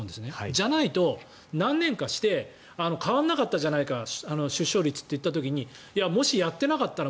じゃないと、何年かして変わらなかったじゃないか出生率となった時にもしやっていなかったら